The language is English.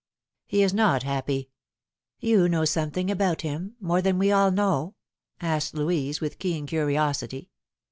" He is not happy." " You know something about him more than we all know ?" asked Louise, with keen curiosity.